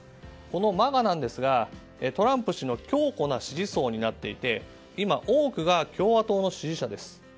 このＭＡＧＡなんですがトランプ氏の強固な支持層になっていて今、多くが共和党の支持者です。